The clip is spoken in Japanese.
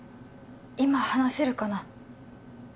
今話せるかな？